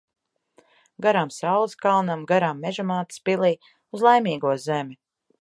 Garām saules kalnam, garām Meža mātes pilij. Uz Laimīgo zemi.